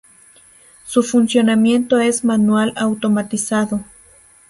Su funcionamiento es manual automatizado.